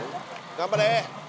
頑張れ！